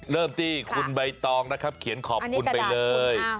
เริ่มที่คุณใบตองนะครับเขียนขอบคุณไปเลย